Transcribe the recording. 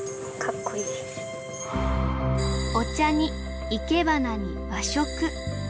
お茶にいけばなに和食。